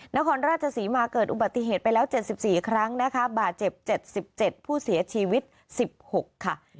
นครราชศรีมาเกิดอุบัติเหตุไปแล้ว๗๔ครั้งนะคะบาดเจ็บ๗๗ผู้เสียชีวิต๑๖ค่ะ